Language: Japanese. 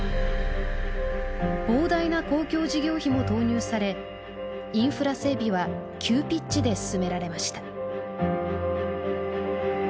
膨大な公共事業費も投入されインフラ整備は急ピッチで進められました。